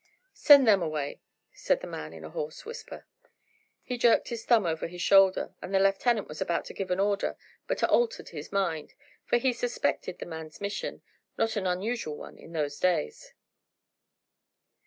"Send them away," said the man in a hoarse whisper. He jerked his thumb over his shoulder, and the lieutenant was about to give an order but altered his mind, for he suspected the man's mission, not an unusual one in those days.